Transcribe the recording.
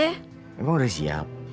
emang udah siap